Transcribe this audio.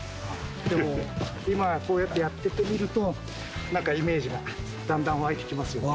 でも、今、こうやってやってみると、なんかイメージがだんだん湧いてきますよね。